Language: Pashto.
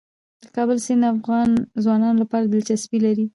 د کابل سیند د افغان ځوانانو لپاره دلچسپي لري.